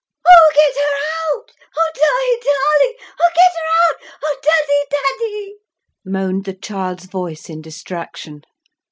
"Oh get her out! Oh Di, darling! Oh get her out! Oh Daddy, Oh Daddy!" moaned the child's voice, in distraction.